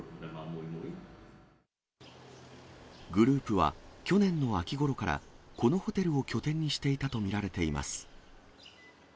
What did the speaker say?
グループは、去年の秋ごろからこのホテルを拠点にしていたと見られています。